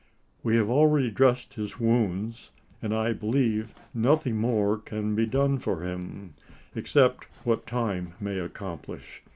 "We have already dressed his wounds; and I believe nothing more can be done for him, except what time may accomplish.